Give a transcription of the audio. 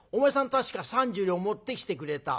確か３０両持ってきてくれた。